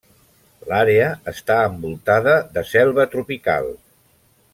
L'àrea està envoltada de selva tropical.